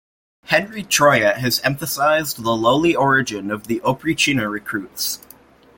Henri Troyat has emphasized the lowly origin of the oprichnina recruits.